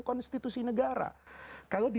konstitusi negara kalau di